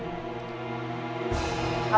các em à